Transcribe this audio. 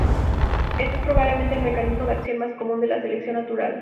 Éste es probablemente el mecanismo de acción más común de la selección natural.